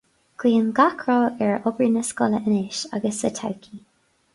Guím gach rath ar obair na scoile anois agus sa todhchaí.